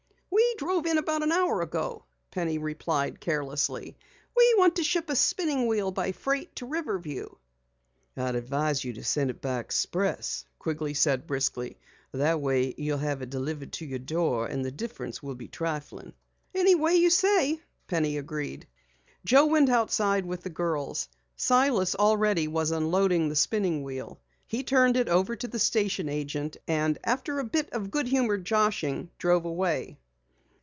"We drove in about an hour ago," Penny replied carelessly. "We want to ship a spinning wheel by freight to Riverview." "I'd advise you to send it by express," Quigley said briskly. "That way you'll have it delivered to your door and the difference will be trifling." "Any way you say," Penny agreed. Joe went outside with the girls. Silas already had unloaded the spinning wheel. He turned it over to the station agent and after a bit of goodnatured joshing, drove away.